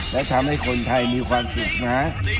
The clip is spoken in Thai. แล้วทำให้คนไทยมีความสุขนะ